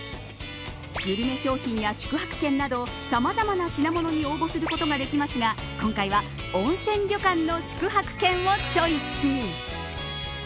グルメ商品や宿泊券などさまざまな品物に応募することができますが今回は温泉旅館の宿泊券をチョイス。